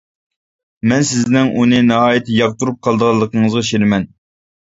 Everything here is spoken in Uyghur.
مەن سىزنىڭ ئۇنى ناھايىتى ياقتۇرۇپ قالىدىغانلىقىڭىزغا ئىشىنىمەن.